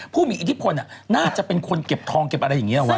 ผู้มีอิทธิพลน่าจะเป็นคนเก็บทองเก็บอะไรอย่างนี้เอาไว้